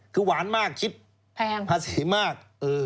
คือหวานมากคิดแพงภาษีมาก